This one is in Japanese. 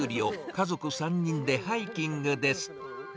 家族３人でハイキングです。